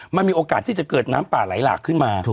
มันมีโอกาสที่จะเกิดน้ำป่าไหลหลากขึ้นมา